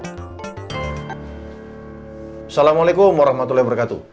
assalamualaikum warahmatullahi wabarakatuh